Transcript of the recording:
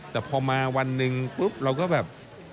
แต่พอมาวันหนึ่งปุ๊บเราก็แบบ